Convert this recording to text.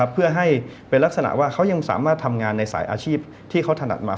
เพื่อให้เป็นลักษณะว่าเขายังสามารถทำงานในสายอาชีพที่เขาถนัดมา